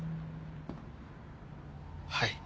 はい。